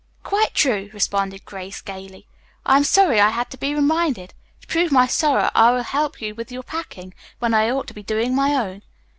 "Quite true," responded Grace gaily. "I am sorry I had to be reminded. To prove my sorrow I will help you with your packing, when I ought to be doing my own."